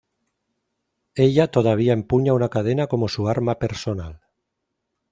Ella todavía empuña una cadena como su arma personal.